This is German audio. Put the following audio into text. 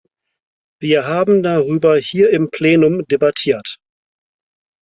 Wir haben darüber hier im Plenum debattiert.